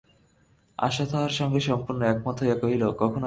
আশা তাহার সঙ্গে সম্পূর্ণ একমত হইয়া কহিল, কখনোই না।